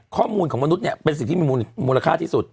ข้อมูลของมนุษย์เนี่ยเป็นสิ่งที่มีมูลค่าที่สุด